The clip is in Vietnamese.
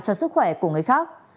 cho sức khỏe của người khác